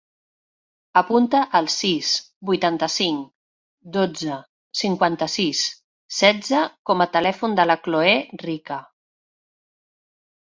Apunta el sis, vuitanta-cinc, dotze, cinquanta-sis, setze com a telèfon de la Chloé Rica.